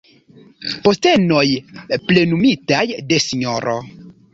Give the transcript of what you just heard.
Postenoj plenumitaj de Sro.